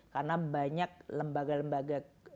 karena banyak lembaga lembaga